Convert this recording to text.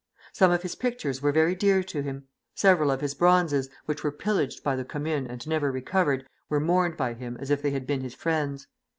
Some of his pictures were very dear to him. Several of his bronzes, which were pillaged by the Commune and never recovered, were mourned by him as if they had been his friends.